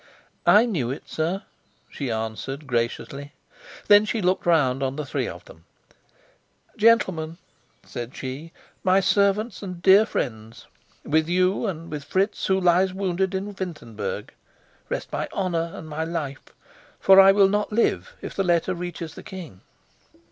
"I knew it, sir," she answered graciously. Then she looked round on the three of them. "Gentlemen," said she, "my servants and dear friends, with you, and with Fritz who lies wounded in Wintenberg, rest my honor and my life; for I will not live if the letter reaches the king."